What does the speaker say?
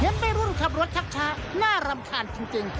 วัยรุ่นขับรถชักช้าน่ารำคาญจริง